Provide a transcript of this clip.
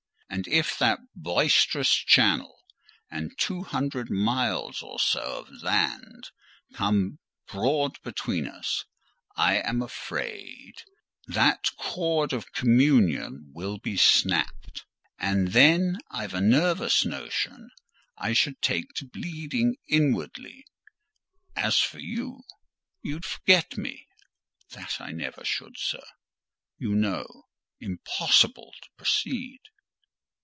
And if that boisterous Channel, and two hundred miles or so of land come broad between us, I am afraid that cord of communion will be snapt; and then I've a nervous notion I should take to bleeding inwardly. As for you,—you'd forget me." "That I never should, sir: you know—" Impossible to proceed.